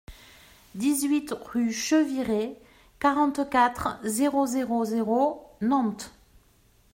dix-huit rue Cheviré, quarante-quatre, zéro zéro zéro, Nantes